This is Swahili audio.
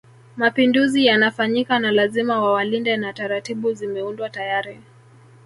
Mapinduzi yanafanyika na lazima wawalinde na taratibu zimeundwa tayari